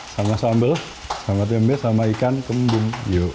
sama sambal sama tempe sama ikan kembung